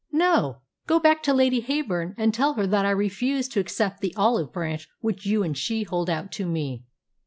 "No; go back to Lady Heyburn and tell her that I refuse to accept the olive branch which you and she hold out to me."